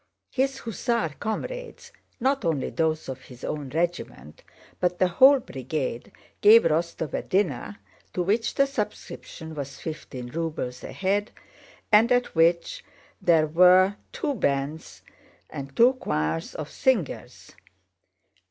His hussar comrades—not only those of his own regiment, but the whole brigade—gave Rostóv a dinner to which the subscription was fifteen rubles a head, and at which there were two bands and two choirs of singers.